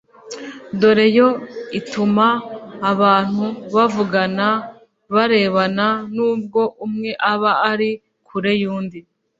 dore yo ituma abantu bavugana barebana n’ubwo umwe aba ari kure y’undi